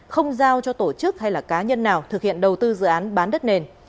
không giao cho tổ chức hay là cá nhân nào thực hiện đầu tư dự án bán đất nền